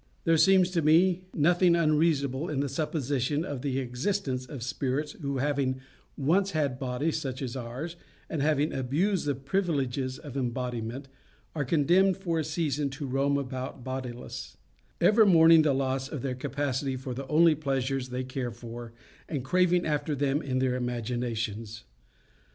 There seems to me nothing unreasonable in the supposition of the existence of spirits who, having once had bodies such as ours, and having abused the privileges of embodiment, are condemned for a season to roam about bodiless, ever mourning the loss of their capacity for the only pleasures they care for, and craving after them in their imaginations.